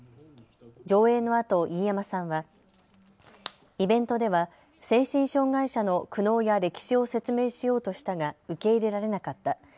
上映のあと飯山さんはイベントでは精神障害者の苦悩や歴史を説明しようとしたが受け入れられなかった。